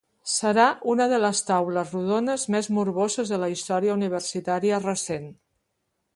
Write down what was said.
Serà una de les taules rodones més morboses de la història universitària recent.